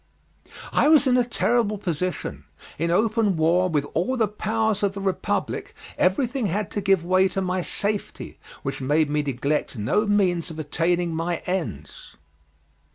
I was in a terrible position. In open war with all the powers of the Republic, everything had to give way to my safety, which made me neglect no means of attaining my ends.